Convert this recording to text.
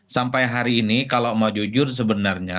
sampai hari ini kalau mau jujur sebenarnya